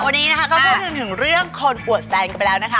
วันนี้นะคะก็พูดถึงเรื่องคนอวดแฟนกันไปแล้วนะคะ